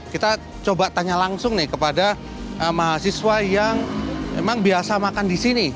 kita coba tanya langsung nih kepada mahasiswa yang memang biasa makan di sini